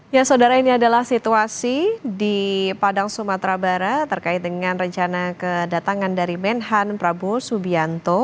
ya saudara ini adalah situasi di padang sumatera barat terkait dengan rencana kedatangan dari menhan prabowo subianto